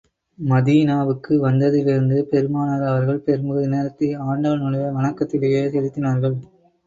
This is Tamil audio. மதீனாவுக்கு வந்ததிலிருந்து பெருமானார் அவர்கள், பெரும்பகுதி நேரத்தை ஆண்டவனுடைய வணக்கத்திலேயே செலுத்தினார்கள்.